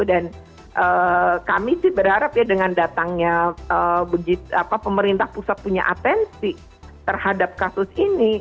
dan kami sih berharap ya dengan datangnya pemerintah pusat punya atensi terhadap kasus ini